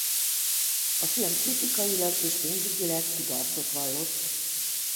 A film kritikailag és pénzügyileg kudarcot vallott.